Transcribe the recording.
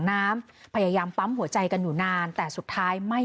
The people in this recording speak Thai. ก็มีลูกต้มเขาต้มให้ไกอยู่ท่านเขาต้มน่ะ